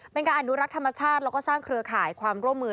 เป็นการอนุรักษ์ธรรมชาติแล้วก็สร้างเครือข่ายความร่วมมือ